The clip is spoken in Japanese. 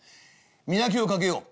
磨きをかけよう。